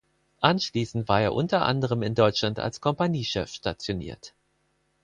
Anschließend war er unter anderem in Deutschland als Kompaniechef stationiert.